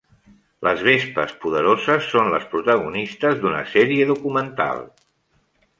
Les Vespes poderoses són les protagonistes d'una sèrie documental.